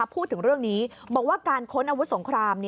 พูดถึงเรื่องนี้บอกว่าการค้นอาวุธสงคราม